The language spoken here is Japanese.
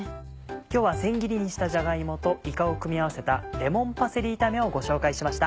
今日はせん切りにしたじゃが芋といかを組み合わせたレモンパセリ炒めをご紹介しました。